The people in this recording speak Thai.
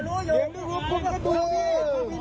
แล้วพี่ไม่ให้เกียรติลูกค้าผมบ้างเขาเป็นคนเรียก